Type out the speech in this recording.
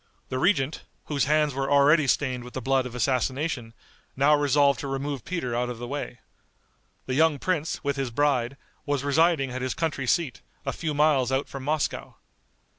The regent, whose hands were already stained with the blood of assassination, now resolved to remove Peter out of the way. The young prince, with his bride, was residing at his country seat, a few miles out from Moscow.